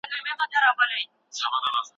د کیفیتي تولید لپاره تخنیک اړین دی.